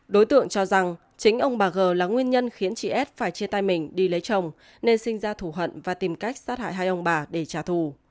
đối tượng cho rằng chính ông bà g là nguyên nhân khiến chị s phải chia tay mình đi lấy chồng nên sinh ra thủ hận và tìm cách sát hại hai ông bà để trả thù